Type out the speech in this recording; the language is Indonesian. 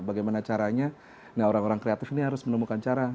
bagaimana caranya nah orang orang kreatif ini harus menemukan cara